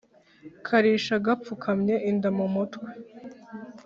Karisha gapfukamye.-Inda mu mutwe.